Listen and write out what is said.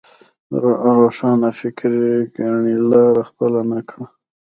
د روښانفکرۍ کڼلاره خپله نه کړه.